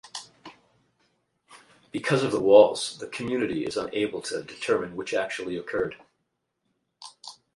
Because of the walls, the community is unable to determine which actually occurred.